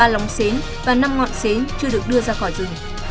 ba lóng xến và năm ngọn xến chưa được đưa ra khỏi rừng